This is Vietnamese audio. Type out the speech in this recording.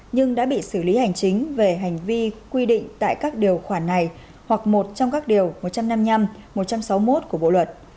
nhưng đã bị xử lý hành chính về hành vi quy định tại các điều khoản này hoặc một trong các điều một trăm năm mươi năm một trăm sáu mươi một của bộ luật